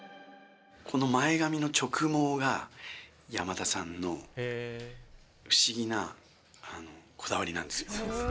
この前髪の直毛が、山田さんの不思議なこだわりなんですよね。